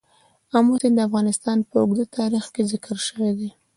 آمو سیند د افغانستان په اوږده تاریخ کې ذکر شوی دی.